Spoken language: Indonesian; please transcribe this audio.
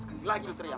sekali lagi lu teriak